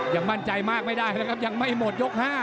ยังมั่นใจมากไม่ได้นะครับยังไม่หมดยก๕